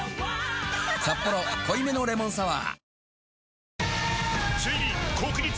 「サッポロ濃いめのレモンサワー」